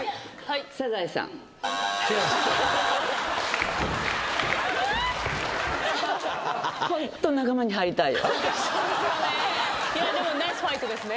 『サザエさん』でもナイスファイトですね